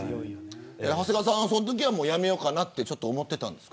長谷川さんは、そのときは辞めようかなってちょっと思ってたんですか。